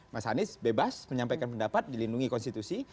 mas anies bebas menyampaikan pendapat dilindungi konstitusi